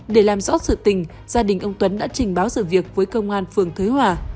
để làm rõ sự tình gia đình ông tuấn đã trình báo sự việc với công an phường thới hòa